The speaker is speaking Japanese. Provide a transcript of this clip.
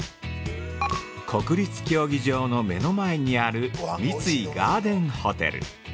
◆国立競技場の目の前にある三井ガーデンホテル。